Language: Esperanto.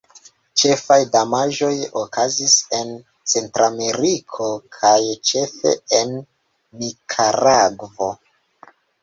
Ĉefaj damaĝoj okazis en Centrameriko kaj ĉefe en Nikaragvo.